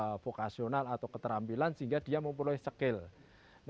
di sini dapat vokasional atau keterampilan sehingga dia memiliki kekuasaan